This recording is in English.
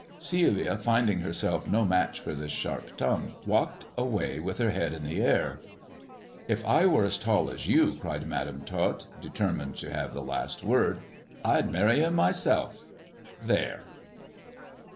Celia, finding herself no match for this sharp tong walked away with her head in the air. " If I were as tall as you," cried Madam Tot, determii to have the last word, " I'd marry him myself. There